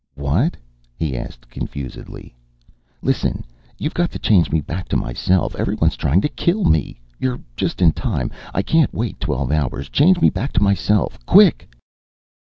"What?" he asked confusedly. "Listen, you've got to change me back to myself. Everyone's trying to kill me. You're just in time. I can't wait twelve hours. Change me back to myself, quick!"